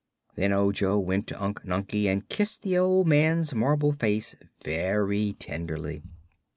Then Ojo went to Unc Nunkie and kissed the old man's marble face very tenderly.